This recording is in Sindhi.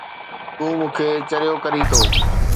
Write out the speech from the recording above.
تون مون کي چريو ڪرين ٿو